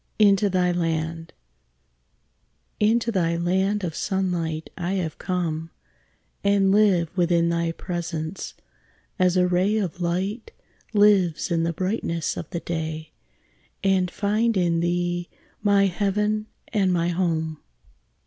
INTO THY LAND Into thy land of sunlight I have come, And live within thy presence, as a ray Of light lives in the brightness of the day; And find in thee my heaven and my home.